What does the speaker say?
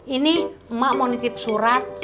ini emak mau nitip surat